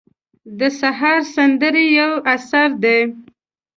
د سهار سندرې یو اثر دی.